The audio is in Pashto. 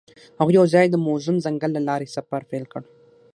هغوی یوځای د موزون ځنګل له لارې سفر پیل کړ.